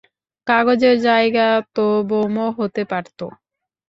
কাগজের জায়গায় তো বোমও হতে পারতো।